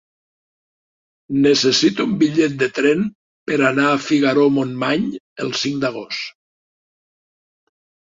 Necessito un bitllet de tren per anar a Figaró-Montmany el cinc d'agost.